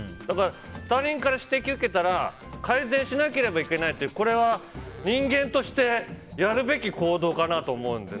他人から指摘受けたら改善しなければいけないってこれは、人間としてやるべき行動かなと思うので。